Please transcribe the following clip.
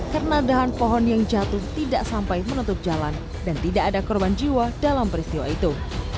karena dahan pohon yang jatuh tidak sampai menutup jalan dan tidak ada korban jiwa dalam peristiwa itu